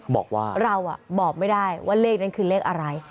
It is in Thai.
บอกว่าเราบอกไม่ได้ว่าเลขนั้นคือเลขอะไร